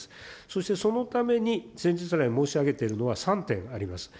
そしてそのために、先日来申し上げているのは３点あります。